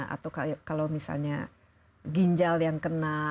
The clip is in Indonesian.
atau kalau misalnya ginjal yang kena